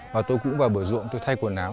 và tôi cũng vào bữa ruộng tôi thay quần áo